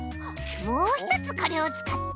もうひとつこれをつかって。